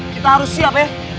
kita harus siap ya